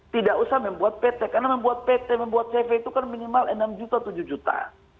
tidak usah membuat pt karena membuat pt membuat cv itu kan minimal enam juta tujuh juta